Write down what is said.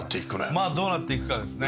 まあどうなっていくかですね。